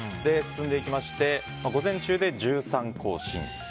進んでいきまして午前中で１３更新